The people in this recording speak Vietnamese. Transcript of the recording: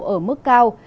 ở mức cao